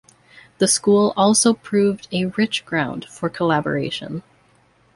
The School also proved a rich ground for collaboration.